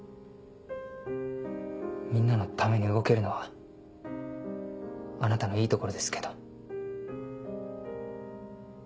みんなのために動けるのはあなたのいいところですけど。